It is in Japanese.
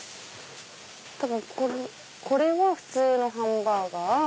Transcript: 多分これは普通のハンバーガー。